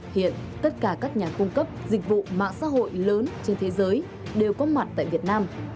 hiện tất cả các nhà cung cấp dịch vụ mạng xã hội lớn trên thế giới đều có mặt tại việt nam